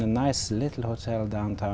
nhưng chủ tịch việt nam